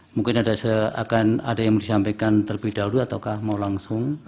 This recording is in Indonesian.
mungkin akan ada yang disampaikan terlebih dahulu ataukah mau langsung